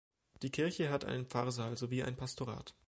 Die Kirche hat einen Pfarrsaal sowie ein Pastorat.